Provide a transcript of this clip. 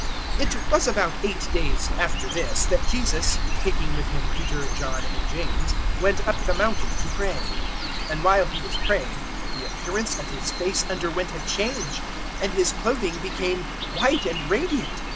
009:028 It was about eight days after this that Jesus, taking with Him Peter, John, and James, went up the mountain to pray. 009:029 And while He was praying the appearance of His face underwent a change, and His clothing became white and radiant.